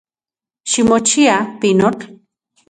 Ximochia, pinotl.